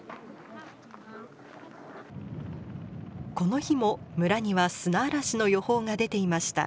この日も村には砂嵐の予報が出ていました。